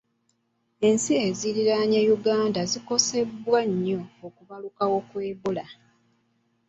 Ensi eziriraanye Uganda zikosebwa nnyo n'okubalukawo kwa Ebola.